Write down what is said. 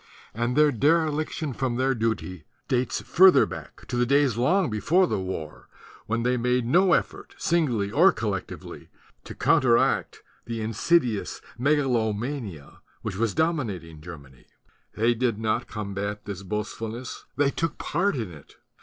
And their dere liction from their duty dates further back, to the days long before the war when they made no effort, singly or collectively, to counteract the insidious megalomania which was dominat ing Germany. They did not combat this boast fulness; they took part in it.